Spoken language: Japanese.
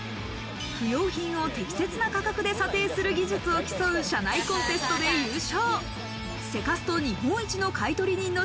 不用品を適切な価格で査定する技術を競う社内コンテストで優勝。